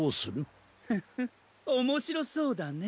フフッおもしろそうだね。